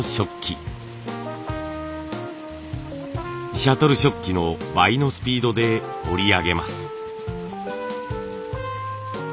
シャトル織機の倍のスピードで織りあげます。